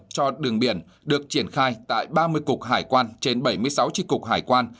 cho đường biển được triển khai tại ba mươi cục hải quan trên bảy mươi sáu tri cục hải quan